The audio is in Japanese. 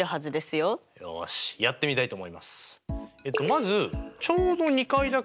よしやってみたいと思います！